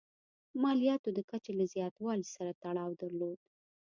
مالیاتو د کچې له زیاتوالي سره تړاو درلود.